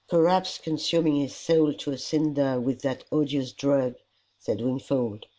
"Perhaps consuming his soul to a cinder with that odious drug," said Wingfold.